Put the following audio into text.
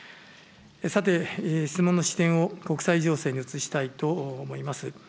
さて、質問の視点を国際情勢に移したいと思います。